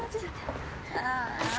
ああ。